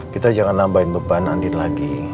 kita jangan nambahin beban andin lagi